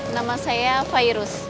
nama saya fairus